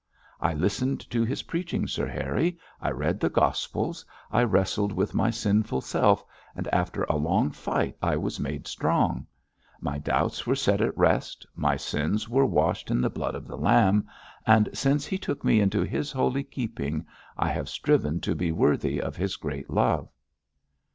I listened to his preaching, Sir Harry, I read the Gospels, I wrestled with my sinful self, and after a long fight I was made strong. My doubts were set at rest, my sins were washed in the Blood of the Lamb, and since He took me into His holy keeping, I have striven to be worthy of His great love.'